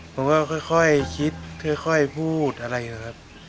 ผมก็ค่อยคิดค่อยพูดอะไรนะครับ